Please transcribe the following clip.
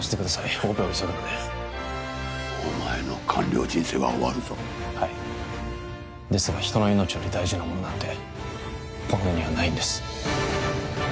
オペを急ぐのでお前の官僚人生は終わるぞはいですが人の命より大事なものなんてこの世にはないんです